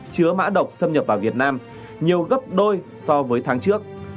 chứa mã độc xâm nhập vào việt nam nhiều gấp đôi so với tháng trước